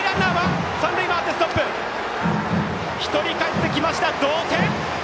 １人かえってきました、同点。